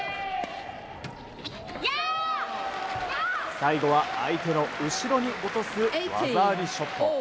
最後は空いての後ろに落とす技ありショット。